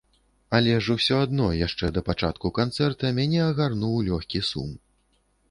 Але ж усё адно яшчэ да пачатку канцэрта мяне агарнуў лёгкі сум.